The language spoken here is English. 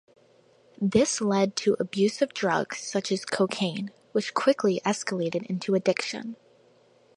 This led to abuse of drugs such as cocaine, which quickly escalated into addiction.